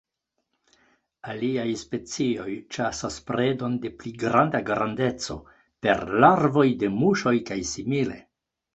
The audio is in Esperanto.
Aliaj specioj ĉasas predon de pli granda grandeco: per larvoj de muŝoj kaj simile.